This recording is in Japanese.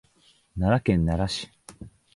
奈良県奈良市